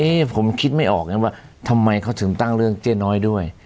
เอ๊ะผมคิดไม่ออกนะว่าทำไมเขาถึงตั้งเรื่องเจ๊น้อยด้วย